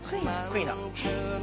クイナ！